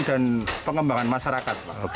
dan pengembangan masyarakat